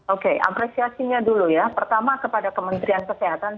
oke apresiasinya dulu ya pertama kepada kementerian kesehatan